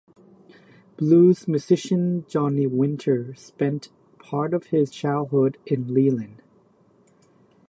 Blues musician Johnny Winter spent part of his childhood in Leland.